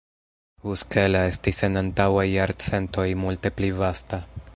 Uskela estis en antaŭaj jarcentoj multe pli vasta.